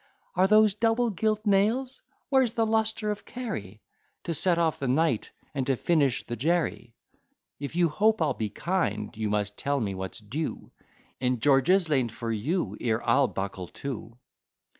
Are those double gilt nails? Where's the lustre of Kerry, To set off the Knight, and to finish the Jerry? If you hope I'll be kind, you must tell me what's due In George's lane for you, ere I'll buckle to.